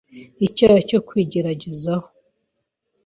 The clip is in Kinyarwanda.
Icyaha cyo kwigerezaho.